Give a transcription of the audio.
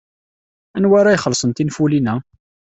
Anwa ara ixellṣen tinfulin-a?